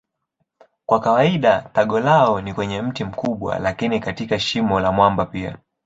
Kwa kawaida tago lao ni kwenye mti mkubwa lakini katika shimo la mwamba pia.